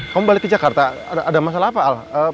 kamu balik ke jakarta ada masalah apa al